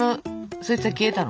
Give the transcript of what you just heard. そいつは消えたの？